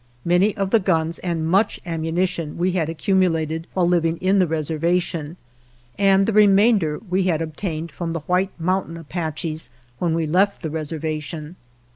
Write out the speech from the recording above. Many of the guns and much ammunition we had accumu lated while living in the reservation, and the remainder we had obtained from the White Mountain Apaches when we left the reser vation.